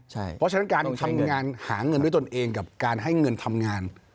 เพราะฉะนั้นการทำงานหาเงินด้วยตนเองกับการให้เงินทำงาน